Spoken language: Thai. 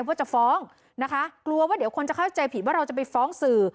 ว่าจะฟ้องนะคะกลัวว่าเดี๋ยวคนจะเข้าใจผิดว่าเราจะไปฟ้องสื่อ